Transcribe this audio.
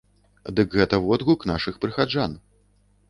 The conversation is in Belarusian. Дык гэта водгук нашых прыхаджан.